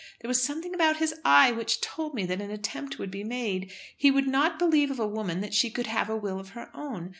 "There was something about his eye which told me that an attempt would be made. He would not believe of a woman that she could have a will of her own.